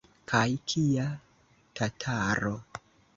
Kaj kia tataro!